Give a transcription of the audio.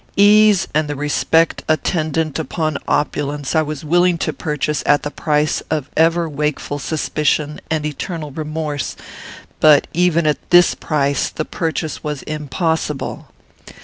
Ease and the respect attendant upon opulence I was willing to purchase at the price of ever wakeful suspicion and eternal remorse; but, even at this price, the purchase was impossible.